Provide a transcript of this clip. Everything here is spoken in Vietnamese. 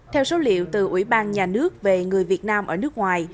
theo số liệu từ ủy ban nhà nước về người việt nam ở nước ngoài